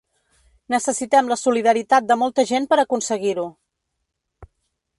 Necessitem la solidaritat de molta gent per aconseguir-ho.